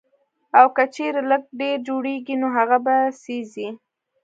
او کۀ چرې لږ ډېر جوړيږي نو هغه به سېزئ